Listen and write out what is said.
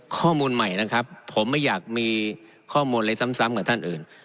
ข้อมูลใหม่นะครับผมไม่อยากมีข้อมูลอะไรซ้ำกับท่านอื่น